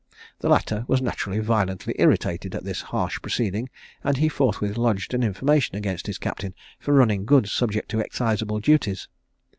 The latter was naturally violently irritated at this harsh proceeding, and he forthwith lodged an information against his captain, for running goods subject to exciseable duties.